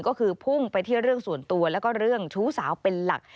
ก็คือพุ่งไปที่เรื่องส่วนตัวแล้วก็เรื่องชู้สาวเป็นหลัก